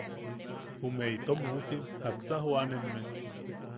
¿Ume itom uusim jaksa joʼanemme?